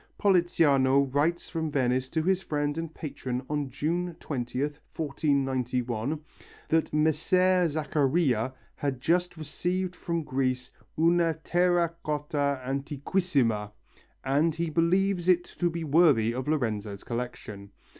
Politiano writes from Venice to his friend and patron on June 20th, 1491, that Messer Zaccharia has just received from Greece una terra cotta antiquissima and that he believes it to be worthy of Lorenzo's collection.